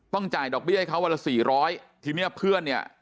จ่ายดอกเบี้ยให้เขาวันละสี่ร้อยทีเนี้ยเพื่อนเนี่ย